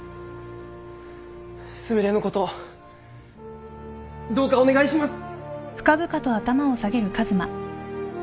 すみれのことどうかお願いします！